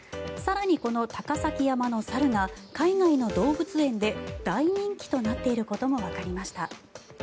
更に、この高崎山の猿が海外の動物園で大人気となっていることもわかりました。